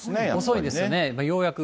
遅いですね、ようやく。